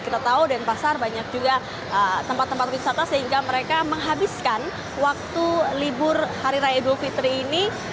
kita tahu denpasar banyak juga tempat tempat wisata sehingga mereka menghabiskan waktu libur hari raya idul fitri ini